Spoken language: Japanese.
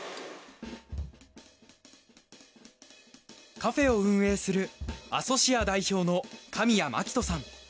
カフェを運営するアソシア代表の神谷牧人さん。